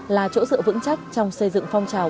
là chỗ dựa vững chắc trong xây dựng phong trào